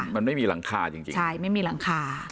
มันไม่มีหลังคาจริงใช่ไม่มีหลังคา